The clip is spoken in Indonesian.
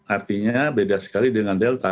artinya beda sekali dengan delta